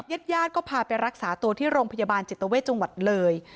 ญาติญาติก็พาไปรักษาตัวที่โรงพยาบาลจิตเวทจังหวัดเลย